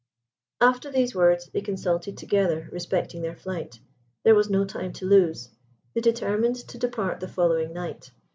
After these words, they consulted together respecting their flight. There was no time to lose. They determined to depart the following night.